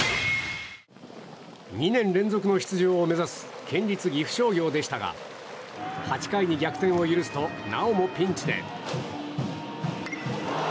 ２年連続の出場を目指す県立岐阜商業でしたが８回に逆転を許すとなおもピンチで。